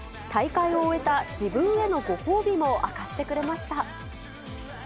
大会を終えた自分へのご褒美も明かしてくれました。